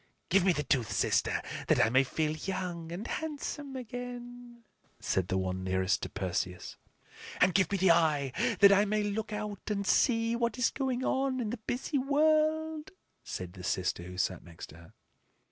"Give me the tooth, sister, that I may feel young and handsome again," said the one nearest to Perseus. "And give me the eye that I may look out and see what is going on in the busy world," said the sister who sat next to her.